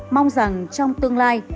mong rằng trong tương lai